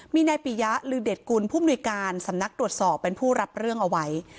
มีนายปิยะลือเด็ดกุลผู้มนุยการสำนักตรวจสอบเป็นผู้รับเรื่องเอาไว้